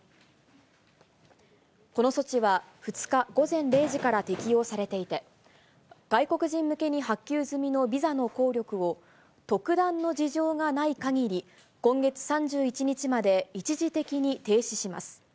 この措置は、２日午前０時から適用されていて、外国人向けに発給済みのビザの効力を、特段の事情がないかぎり、今月３１日まで一時的に停止します。